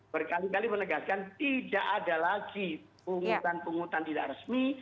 berkali kali menegaskan tidak ada lagi pungutan pungutan tidak resmi